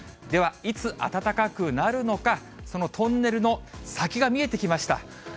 では、いつ暖かくなるのか、そのトンネルの先が見えてきました。